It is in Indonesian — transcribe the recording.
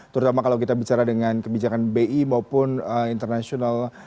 terutama kalau kita bicara dengan kebijakan bi maupun internasional